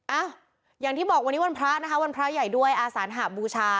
อ่ะอย่างที่บอกวันนี้วันพระนะคะวันพระใหญ่ด้วยอาสานหบูชา